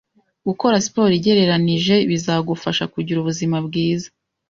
Gukora siporo igereranije bizagufasha kugira ubuzima bwiza